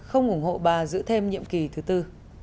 không ủng hộ bà giữ thêm nhiệm kỳ thứ tư